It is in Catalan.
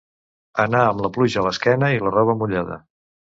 Anar amb la pluja a l'esquena i la roba mullada.